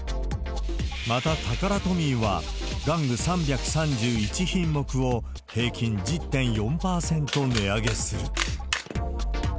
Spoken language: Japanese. またタカラトミーは、玩具３３１品目を平均１０．４％値上げする。